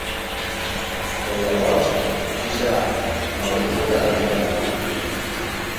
Però llavors, qui serà, m'hauré equivocat a l'entrar aquí?